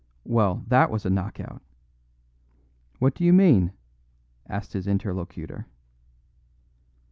Well, that was a knock out." "What do you mean?" asked his interlocutor.